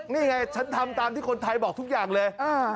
นี่ไงฉันทำตามที่คนไทยบอกทุกอย่างเลย